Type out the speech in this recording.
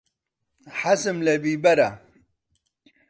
حەزم لە بیبەرە.